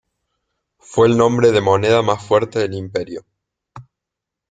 Fue el nombre de moneda más fuerte del imperio.